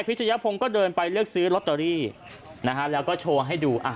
ชยพงศ์ก็เดินไปเลือกซื้อลอตเตอรี่นะฮะแล้วก็โชว์ให้ดูอ่ะ